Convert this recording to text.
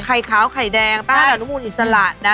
ไข่ขาวไข่แดงต้านอนุมูลอิสระนะ